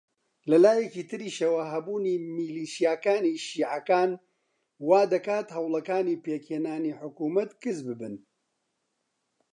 لە لایەکی تریشەوە هەبوونی میلیشیاکانی شیعەکان وا دەکات هەوڵەکانی پێکهێنانی حکوومەت کز ببن